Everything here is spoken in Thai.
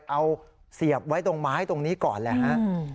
เอาเสียบไว้ตรงไม้ตรงนี้ก่อนเลยฮะ